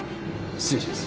失礼します。